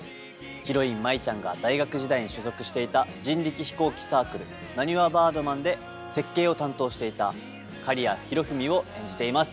ヒロイン・舞ちゃんが大学時代に所属していた人力飛行機サークル「なにわバードマン」で設計を担当していた刈谷博文を演じています。